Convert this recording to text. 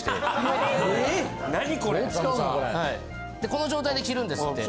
この状態で着るんですって。